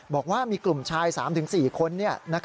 บอกว่ามีกลุ่มชาย๓๔คน